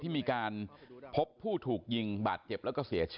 ตอนนี้กำลังจะโดดเนี่ยตอนนี้กำลังจะโดดเนี่ย